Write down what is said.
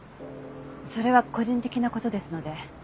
それは個人的な事ですので。